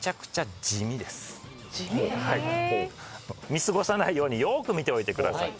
見過ごさないようによく見ておいてください。